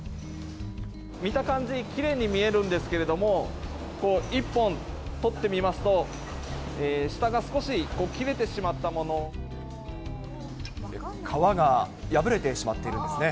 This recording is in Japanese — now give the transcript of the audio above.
見た感じ、きれいに見えるんですけれども、１本取ってみますと、皮が破れてしまっているんですね。